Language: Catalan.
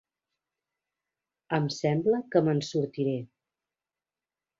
Em sembla que me'n sortiré.